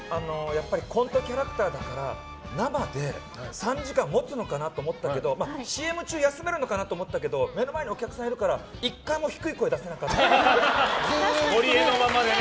こんなキャラクターだから生で３時間ももつのかなと思ったんだけどＣＭ中、休めるのかなと思ったけど目の前にお客さんいるからゴリエのままでね。